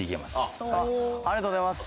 ありがとうございます。